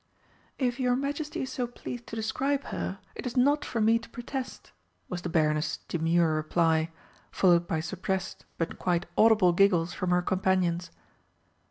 "If your Majesty is so pleased to describe her, it is not for me to protest," was the Baroness's demure reply, followed by suppressed but quite audible giggles from her companions.